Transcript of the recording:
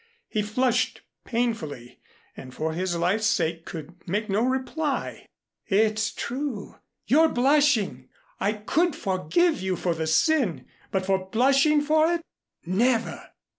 He flushed painfully and for his life's sake could make no reply. "It's true you're blushing. I could forgive you for the sin, but for blushing for it never!"